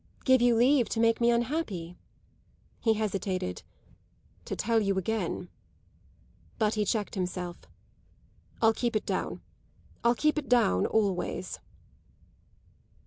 "Give you leave to make me unhappy?" He hesitated. "To tell you again " But he checked himself. "I'll keep it down. I'll keep it down always."